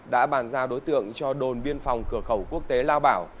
đã bàn giao đối tượng cho đồn biên phòng cửa khẩu quốc tế lao bảo